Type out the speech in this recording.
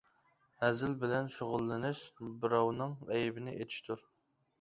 ھەزىل بىلەن شۇغۇللىنىش بىراۋنىڭ ئەيىبىنى ئېچىشتۇر.